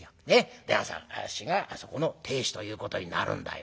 で私があそこの亭主ということになるんだよ。